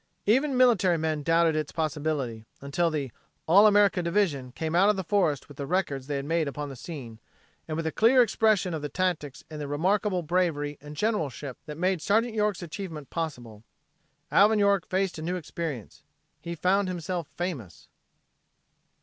Even military men doubted its possibility, until the "All America" Division came out of the forest with the records they had made upon the scene, and with the clear exposition of the tactics and the remarkable bravery and generalship that made Sergeant York's achievement possible. Alvin York faced a new experience. He found himself famous.